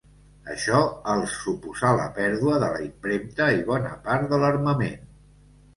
Això els suposà la pèrdua de la impremta i bona part de l'armament.